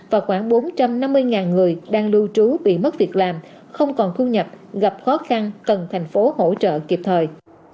và khoảng bốn trăm năm mươi người đang lưu trú bị mất việc làm không còn thu nhập gặp khó khăn cần thành phố hỗ trợ kịp thời